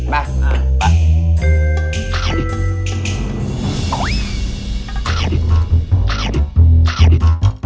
ไป